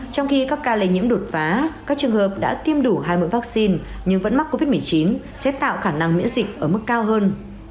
trong khi các ca lây nhiễm đột phá các trường hợp đã tiêm đủ hai mươi vaccine nhưng vẫn mắc covid một mươi chín chế tạo khả năng miễn dịch ở mức cao hơn